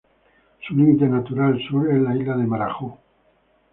Su límite natural al sur es la isla de Marajó.